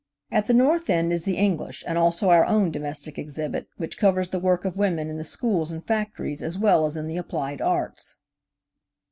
At the north end is the English and also our own domestic exhibit, which covers the work of women in the schools and factories as well as in the applied arts.